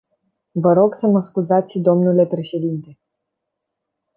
Vă rog să mă scuzați, dle președinte.